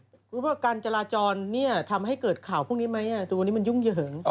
รู้หรือว่าการจราจรเนี่ยทำให้เกิดข่าวพวกนี้ไหมวันนี้มันยุ่งเยอะเหิง